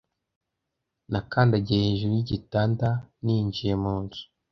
Nakandagiye hejuru y'igitanda ninjiye mu nzu.